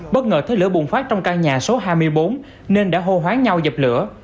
bất ngờ thấy lửa bùng phát trong căn nhà số hai mươi bốn nên đã hô hoáng nhau dập lửa